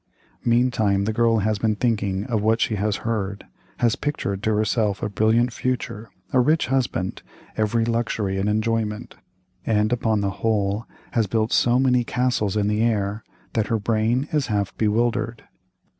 Meantime, the girl has been thinking of what she has heard, has pictured to herself a brilliant future—a rich husband—every luxury and enjoyment—and, upon the whole, has built so many castles in the air, that her brain is half bewildered.